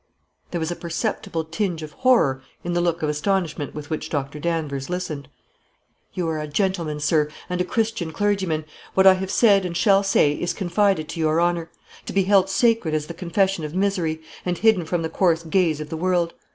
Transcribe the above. There was a perceptible tinge of horror in the look of astonishment with which Dr. Danvers listened. "You are a gentleman, sir, and a Christian clergyman; what I have said and shall say is confided to your honor; to be held sacred as the confession of misery, and hidden from the coarse gaze of the world.